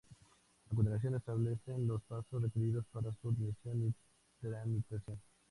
A continuación establecen los pasos requeridos para su admisión y tramitación.